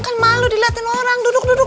kan malu dilihatin orang duduk duduk